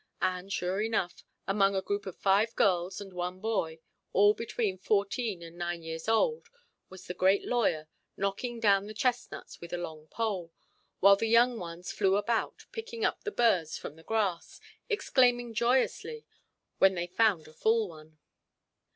And sure enough, among a group of five girls and one boy, all between fourteen and nine years old, was the great lawyer, knocking down the chestnuts with a long pole, while the young ones flew about picking up the burrs from the grass, exclaiming joyously when they found a full one.